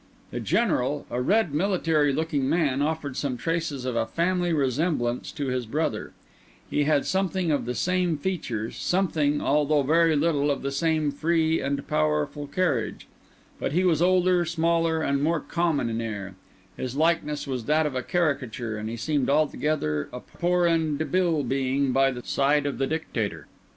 The General, a red, military looking man, offered some traces of a family resemblance to his brother; he had something of the same features, something, although very little, of the same free and powerful carriage; but he was older, smaller, and more common in air; his likeness was that of a caricature, and he seemed altogether a poor and debile being by the side of the Dictator.